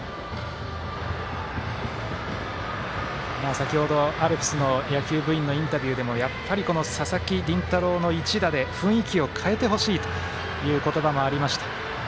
先ほどアルプスの野球部員のインタビューでもやっぱり佐々木麟太郎の一打で、雰囲気を変えてほしいという言葉もありました。